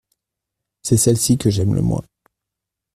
C’est celle-ci que j’aime le moins.